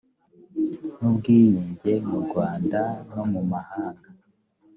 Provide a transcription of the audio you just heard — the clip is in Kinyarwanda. n ubwiyunge mu rwanda no mu mahanga